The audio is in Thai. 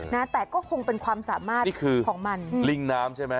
นะแต่ก็คงเป็นความสามารถของมันนี่คือลิงน้ำใช่ไหม